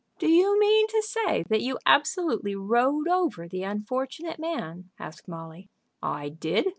"Do you mean to say that you absolutely rode over the unfortunate man?" asked Molly. "I did.